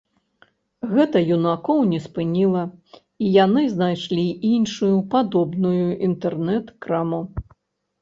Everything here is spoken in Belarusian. Гэта юнакоў не спыніла, і яны знайшлі іншую падобную інтэрнэт-краму.